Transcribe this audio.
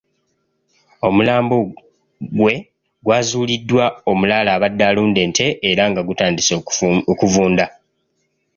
Omulambo gwa gwe gwazuuliddwa omulaalo abadde alunda ente era nga gutandise okuvunda.